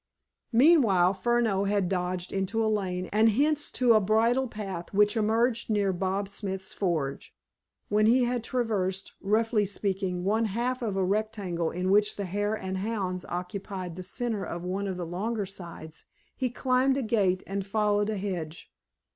Meanwhile, Furneaux had dodged into a lane and thence to a bridle path which emerged near Bob Smith's forge. When he had traversed, roughly speaking, one half of a rectangle in which the Hare and Hounds occupied the center of one of the longer sides, he climbed a gate and followed a hedge.